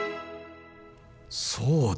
そうだ。